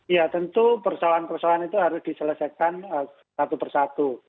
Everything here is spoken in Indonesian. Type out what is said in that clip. ya tentu persoalan persoalan itu harus diselesaikan satu persatu